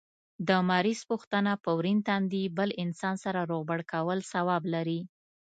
د مریض پوښتنه په ورين تندي بل انسان سره روغبړ کول ثواب لري